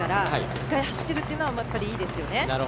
１回走ってるというのはいいですよね。